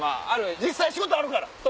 実際仕事あるから。